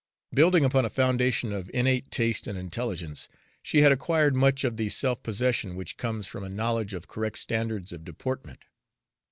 Building upon a foundation of innate taste and intelligence, she had acquired much of the self possession which comes from a knowledge of correct standards of deportment.